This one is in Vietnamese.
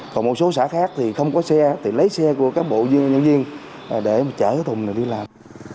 còn một số xã khác thì không có xe thì lấy xe của cán bộ nhân viên để mà chở cái thùng này đi làm